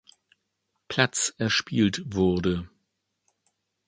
Platz erspielt wurde.